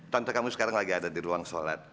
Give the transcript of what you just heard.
contoh kamu sekarang lagi ada di ruang sholat